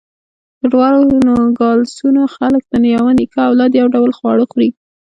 د دواړو نوګالسونو خلک د یوه نیکه اولاد، یو ډول خواړه خوري.